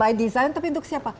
by design tapi untuk siapa